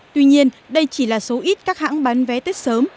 tuy nhiên đây chỉ là số ít các hãng bán vé tết sớm